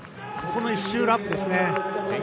ここの１周ラップですね。